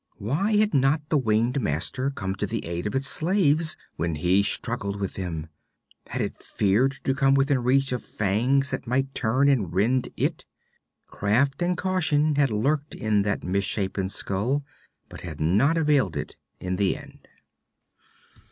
Why had not the winged master come to the aid of its slaves when he struggled with them? Had it feared to come within reach of fangs that might turn and rend it? Craft and caution had lurked in that misshapen skull, but had not availed in the end.